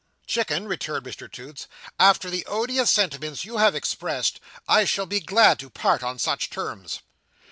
"Chicken," returned Mr Toots, "after the odious sentiments you have expressed, I shall be glad to part on such terms."